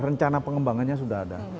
rencana pengembangannya sudah ada